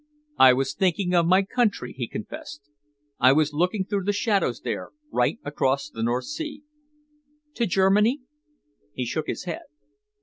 "I was thinking of my country," he confessed. "I was looking through the shadows there, right across the North Sea." "To Germany?" He shook his head.